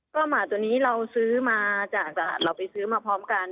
ก็หมาตัวนี้เราซื้อมาจากตลาดเราไปซื้อมาพร้อมกัน